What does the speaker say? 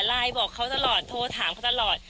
บอกเขาตลอดโทรถามเขาตลอด